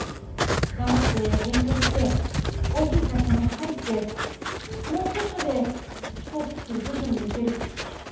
頑張って勉強して大きい会社に入ってもうちょっとで飛行機作る部署に行ける。